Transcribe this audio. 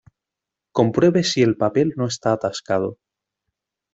Compruebe si el papel no está atascado.